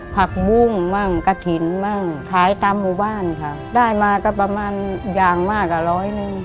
ผักบุ้งมั่งกระถิ่นมั่งขายตามหมู่บ้านค่ะได้มาก็ประมาณอย่างมากกว่าร้อยหนึ่ง